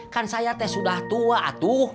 kan saya teh sudah tua tuh